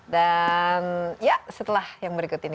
dan setelah yang berikut ini